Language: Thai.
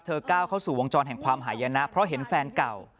ก้าวเข้าสู่วงจรแห่งความหายนะเพราะเห็นแฟนเก่า